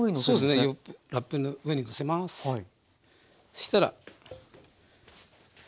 そうしたら。